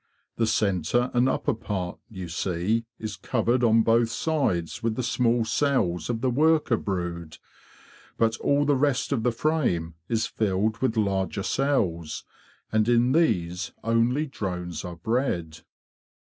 The centre and upper part, you see, is covered on both sides with the small cells of the worker brood. But all the rest of the frame is filled with larger cells, and in these only drones are bred.